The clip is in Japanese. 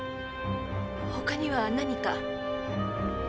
他には何か？